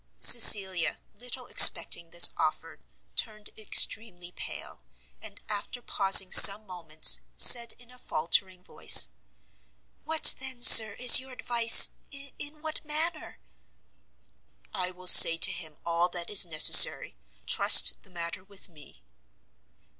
Cecilia, little expecting this offer, turned extremely pale, and after pausing some moments, said in a faultering voice, "What, then, Sir, is your advice, in what manner " "I will say to him all that is necessary; trust the matter with me."